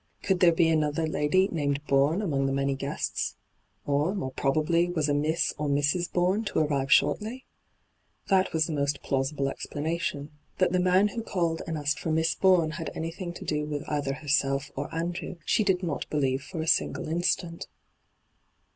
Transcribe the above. Could there be another lady named Bourne among the many guests ? Or, more probably, was a Miss or Mrs. Bourne to arrive shortly ? That was the most plausible explanation. That' the man who called and asked for ' Miss Bourne ' had anything to do with either herself or Andrew she did not believe for a single instant.